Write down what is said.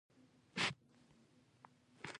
سمدستي سوله مېړه ته لاس ترغاړه